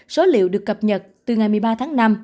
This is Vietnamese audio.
số liệu được cập nhật từ ngày một mươi ba tháng năm